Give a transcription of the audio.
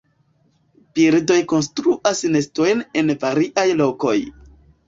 Birdoj konstruas nestojn en variaj lokoj.